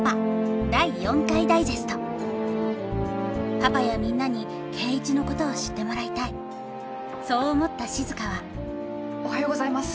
パパやみんなに圭一のことを知ってもらいたいそう思った静はおはようございます！